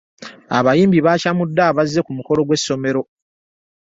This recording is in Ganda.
Abayimbi bakyamudde abazze ku mukolo gw'essomero.